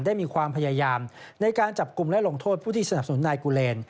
ได้มีความพยายามในการจับกลุ่มและลงโทษผู้ที่สนับสนุนนายกูเลน